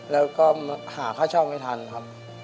แล้วก็หาค่าเช่าไม่ทันครับ